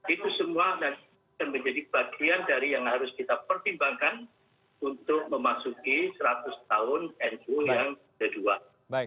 itu semua nanti menjadi bagian dari yang harus kita pertimbangkan untuk memasuki seratus tahun nu yang kedua